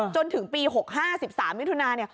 จนถึงปี๖๕๑๓มิถุนา